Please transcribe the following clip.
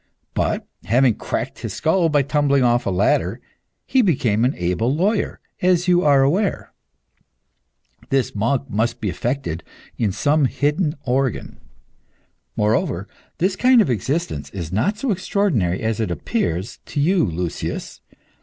But, having cracked his skull by tumbling off a ladder, he became an able lawyer, as you are aware. This monk must be affected in some hidden organ. Moreover, this kind of existence is not so extraordinary as it appears to you, Lucius.